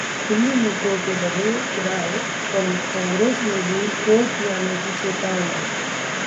Delhi metro के बढ़े किराए पर कांग्रेस ने दी कोर्ट जाने की चेतावनी